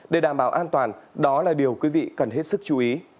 để đảm bảo an toàn đó là điều quý vị cần hết sức chú ý